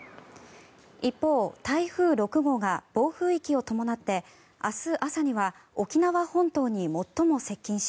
一方、台風６号が暴風域を伴って明日朝には沖縄本島に最も接近し